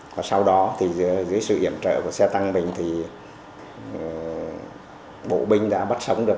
và sau đó thì dưới sự iểm trợ của xe tăng mình thì bộ binh đã bắt sống được